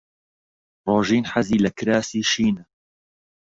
ڕۆژین حەزی لە کراسی شینە.